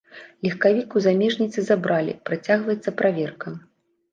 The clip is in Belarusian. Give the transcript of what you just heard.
Легкавік у замежніцы забралі, працягваецца праверка.